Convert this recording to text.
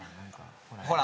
ほら。